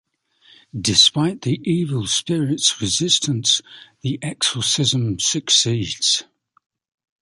Despite the evil spirit's resistance, the exorcism succeeds.